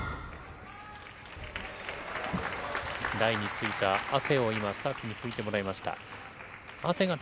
台についた汗を今、スタッフに拭いてもらいました。